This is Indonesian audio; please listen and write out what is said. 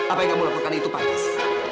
apa yang kamu lakukan itu pantas